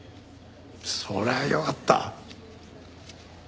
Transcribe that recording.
そりゃあよかった！